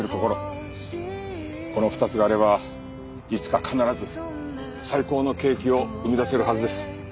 この２つがあればいつか必ず最高のケーキを生み出せるはずです。